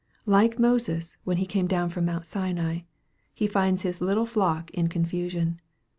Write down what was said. Like Moses, when he came down from Mount Sinai, He finds his little flock in confusion.